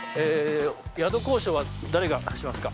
宿交渉は誰がしますか？